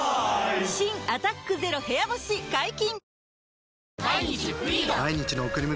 新「アタックＺＥＲＯ部屋干し」解禁‼